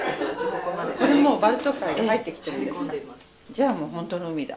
じゃあもうほんとの海だ。